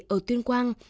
ở tuyên quang